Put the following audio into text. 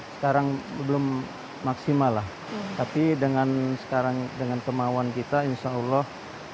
sekarang belum maksimal lah tapi dengan sekarang dengan kemauan kita insya allah